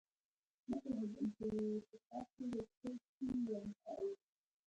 نه پوهېدم چې پخوا تېر ايستل سوى وم که اوس.